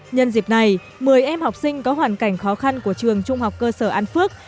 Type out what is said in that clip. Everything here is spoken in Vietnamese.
nhân dịp này một mươi em học sinh có hoàn cảnh khó khăn của trường trung học cơ sở an phước